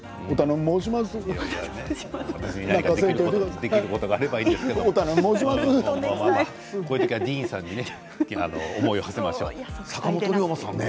何かできることがあればいいんですけどこういう時はディーンさんにね思いをはせましょう坂本龍馬さんね。